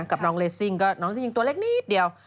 กับน้องเลสซิงก็อย่างตัวเล็กนี้ดีียว